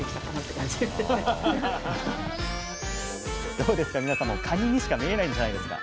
どうですか皆さんもかににしか見えないんじゃないですか。